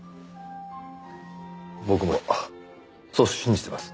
僕もそう信じてます。